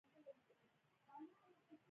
موږ باید هڅه وکړو چې له طبیعت سره وصل شو